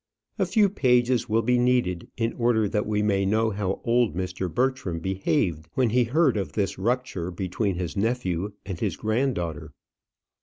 A few pages will be needed in order that we may know how old Mr. Bertram behaved when he heard of this rupture between his nephew and his granddaughter.